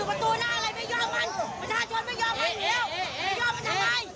กลับกูไว้แหละ